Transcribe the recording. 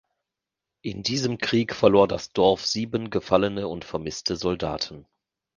In diesem Krieg verlor das Dorf sieben gefallene und vermisste Soldaten.